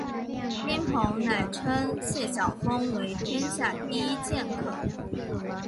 丁鹏仍称谢晓峰为天下第一剑客。